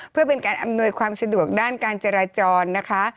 เพื่อเป็นการอำนวยความสะดวกด้านการจราจรนะคะ